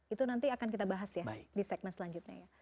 itu nanti akan kita bahas ya di segmen selanjutnya ya